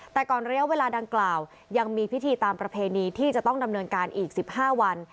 แต่ก่อนระยะเวลาดังกล่าวยังมีพิธีตามประเพณีที่จะต้องดำเนินการอีก๑๕วัน